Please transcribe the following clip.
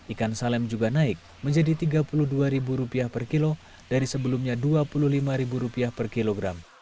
ikan salem juga naik menjadi rp tiga puluh dua per kilo dari sebelumnya rp dua puluh lima per kilogram